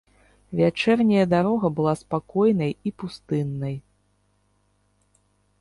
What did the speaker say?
Вячэрняя дарога была спакойнай і пустыннай.